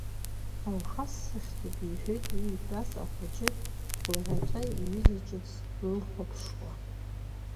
Алхас сыхьӡуп, — иҳәеит уа итәаз ахәыҷы дгәырӷьаҵәа иҩыза ҿыц длыхәаԥшуа.